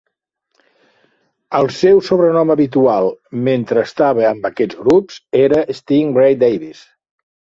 El seu sobrenom habitual mentre estava amb aquests grups era "Sting Ray" Davis.